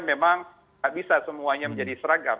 memang tak bisa semuanya menjadi seragam